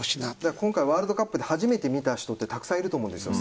今回ワールドカップでサッカーを初めて見た人ってたくさんいると思います。